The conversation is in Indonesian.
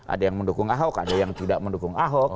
ada yang mendukung ahok ada yang tidak mendukung ahok